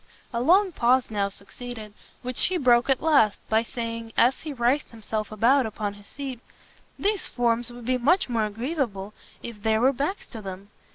A long pause now succeeded, which he broke at last, by saying, as he writhed himself about upon his seat, "These forms would be much more agreeable if there were backs to them.